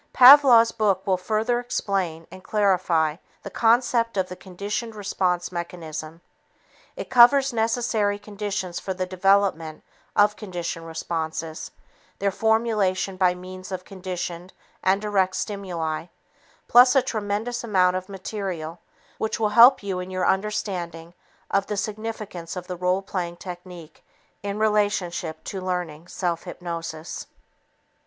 Pavlov's book will further explain and clarify the concept of the conditioned response mechanism. It covers necessary conditions for the development of conditioned responses, their formation by means of conditioned and direct stimuli, plus a tremendous amount of material which will help you in your understanding of the significance of the role playing technique in relationship to learning self hypnosis.